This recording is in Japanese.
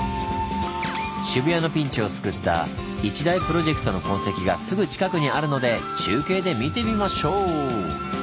渋谷のピンチを救った一大プロジェクトの痕跡がすぐ近くにあるので中継で見てみましょう！